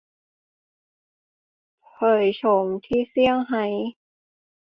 เผยโฉมที่เซี่ยงไฮ้